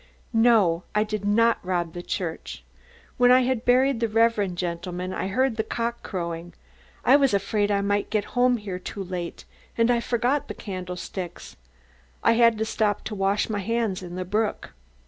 "No, I did not rob the church. When I had buried the reverend gentleman I heard the cock crowing. I was afraid I might get home here too late and I forgot the candlesticks. I had to stop to wash my hands in the brook.